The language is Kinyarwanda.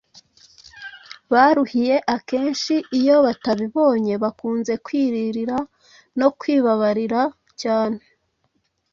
baruhiye. Akenshi iyo batabibonye bakunze kwiririra no kwibabarira cyane.